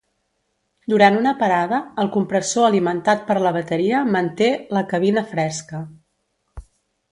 Durant una parada, el compressor alimentat per la bateria manté la cabina fresca.